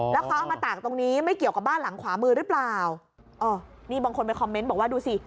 แล้วเขาเอามาตากตรงนี้ไม่เกี่ยวกับบ้านหลังขวามือหรือเปล่าอ๋อนี่บางคนไปคอมเมนต์บอกว่าดูสิ